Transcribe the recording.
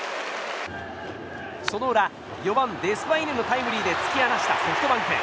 その裏４番、デスパイネのタイムリーで突き放したソフトバンク。